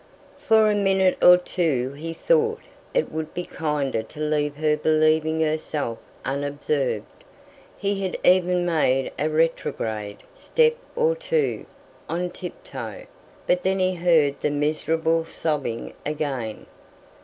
For a minute or two he thought it would be kinder to leave her fancying herself unobserved; he had even made a retrograde step or two, on tip toe; but then he heard the miserable sobbing again.